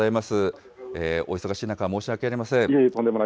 お忙しい中、申し訳ありません。